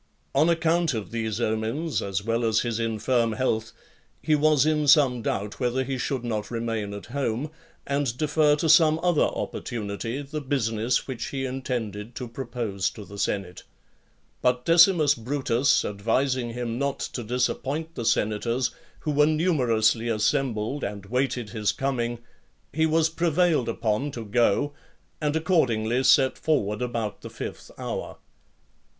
On account of these omens, as well as his infirm health, he was in some doubt whether he should not remain at home, and defer to some other opportunity the business which he intended to propose to the senate; but Decimus Brutus advising him not to disappoint the senators, who were numerously assembled, and waited his coming, he was prevailed upon to go, and accordingly (51) set forward about the fifth hour.